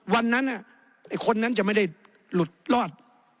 วันนั้นไอ้คนนั้นจะไม่ได้หลุดรอด